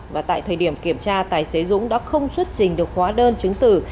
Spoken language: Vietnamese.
và tại thời điểm kiểm tra tài xế dũng đã không xuất trình được khóa đơn chứng tử